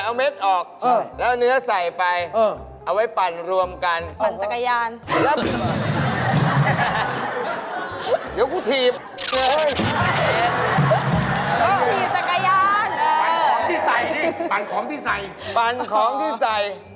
ในนาเค้าเยอะพี่หนุ๊ยนี่